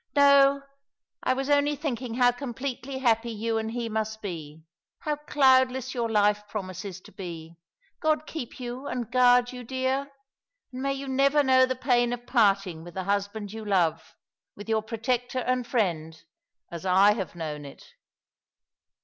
No, I was only thinking how compleiely happy you and he must be — how cloudless your life promises to be. God keep you, and guard you, dear ! And may you never know the pain of parting with the husband you love— with your protector and friend — as I have known it."